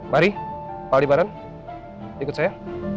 mari pak aldi baran ikut saya